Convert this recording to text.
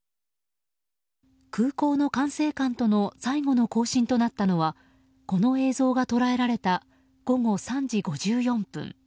空港の管制官との最後の交信となったのはこの映像が捉えられた午後３時５４分。